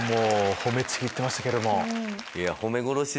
褒めちぎってましたけども。